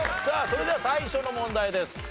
さあそれでは最初の問題です。